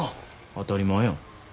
当たり前やん。